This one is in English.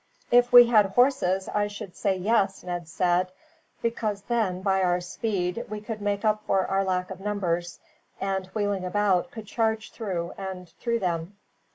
"If we had horses I should say yes," Ned said, "because then, by our speed, we could make up for our lack of numbers; and, wheeling about, could charge through and through them.